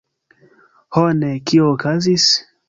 Ho ne! Kio okazis?